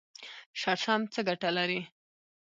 شړشم څه ګټه لري؟